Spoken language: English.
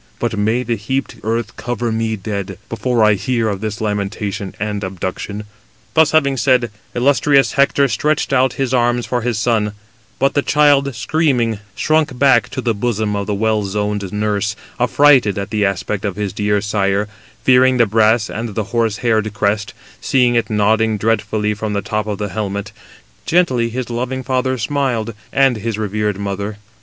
But may the heaped earth cover me dead, before I hear of this lamentation and abduction." Thus having said, illustrious Hector stretched out [his arms] for his son; but the child, screaming, shrunk back to the bosom of the well zoned nurse, affrighted at the aspect of his dear sire, fearing the brass and the horse haired crest, seeing it nodding dreadfully from the top of the helmet: gently his loving father smiled, and his revered mother.